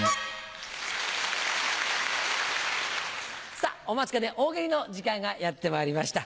さぁお待ちかね大喜利の時間がやってまいりました。